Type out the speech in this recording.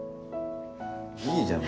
いいじゃん